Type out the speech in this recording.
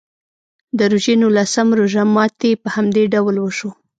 د روژې نولسم روژه ماتي په همدې ډول وشو.